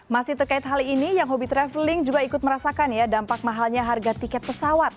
masih terkait hal ini yang hobi traveling juga ikut merasakan ya dampak mahalnya harga tiket pesawat